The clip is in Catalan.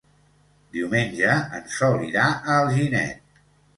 Diumenge en Sol irà a Alginet.